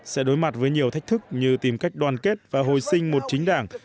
sẽ đối mặt với nhiều thách thức như tìm cách đoàn kết và hồi sinh một chính đảng